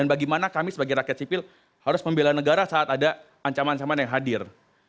dan bagaimana kami sebagai rakyat sipil harus membelai negara saat ada ancaman ancaman yang lain